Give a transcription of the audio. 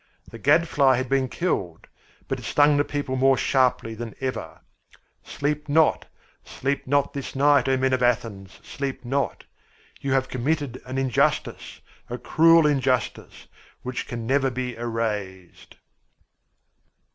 The gadfly had been killed, but it stung the people more sharply than ever sleep not, sleep not this night, O men of Athens! Sleep not! You have committed an injustice, a cruel injustice, which can never be erased!